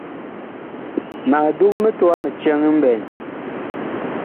Mag dug mitowa mi cɛŋ mɓɛɛŋ.